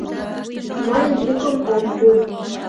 Мый йӱкым ом пу.